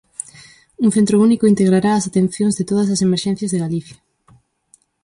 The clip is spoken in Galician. Un centro único integrará as atencións de todas as emerxencias de Galicia.